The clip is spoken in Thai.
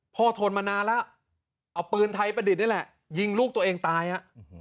ทนมานานแล้วเอาปืนไทยประดิษฐ์นี่แหละยิงลูกตัวเองตายฮะ